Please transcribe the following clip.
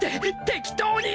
適当に！